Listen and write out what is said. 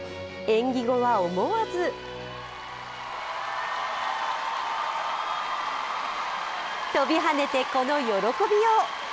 演技後は、思わず飛び跳ねて、この喜びよう。